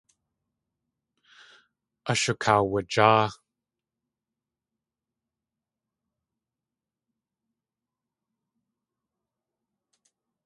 Ashukaawajáa.